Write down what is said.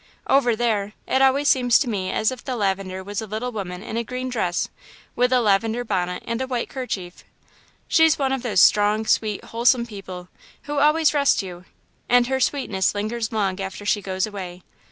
"Over there, it always seems to me as if the lavender was a little woman in a green dress, with a lavender bonnet and a white kerchief. She's one of those strong, sweet, wholesome people, who always rest you, and her sweetness lingers long after she goes away.